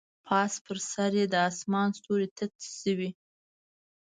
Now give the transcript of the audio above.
پاس پر سر یې د اسمان ستوري تت شوي